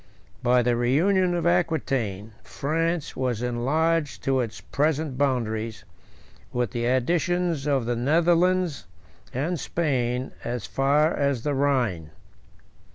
By the reunion of Aquitain, France was enlarged to its present boundaries, with the additions of the Netherlands and Spain, as far as the Rhine.